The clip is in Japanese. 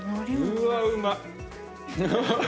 うーわっうまい！